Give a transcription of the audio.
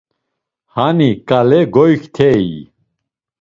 Hani ǩale goyktey.